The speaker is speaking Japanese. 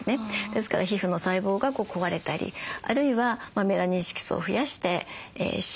ですから皮膚の細胞が壊れたりあるいはメラニン色素を増やしてシミを作る。